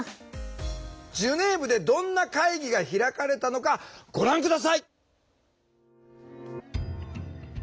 ジュネーブでどんな会議が開かれたのかご覧下さい。